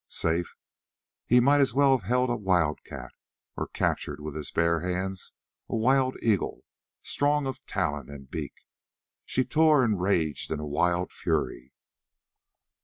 Safe? He might as well have held a wildcat, or captured with his bare hands a wild eagle, strong of talon and beak. She tore and raged in a wild fury.